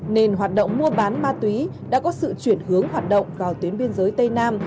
nên hoạt động mua bán ma túy đã có sự chuyển hướng hoạt động vào tuyến biên giới tây nam